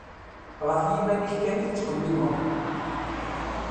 Γef yiman-ik kan i tettxemmimeḍ.